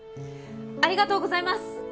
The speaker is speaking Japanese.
ありがとうございます！